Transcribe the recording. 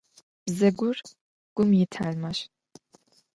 Бзэгур гум итэлмащ.